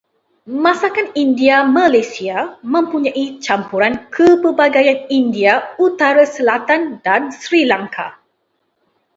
Masakan India Malaysia mempunyai campuran kepelbagaian India utara-selatan dan Sri Lanka.